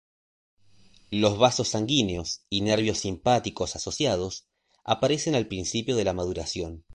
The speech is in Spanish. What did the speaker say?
Los vasos sanguíneos y nervios simpáticos asociados, aparecen al principio de la maduración.